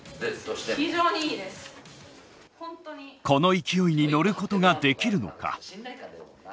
この勢いに乗ることができるのか。